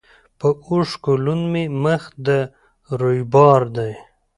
په اوښکو لوند مي مخ د رویبار دی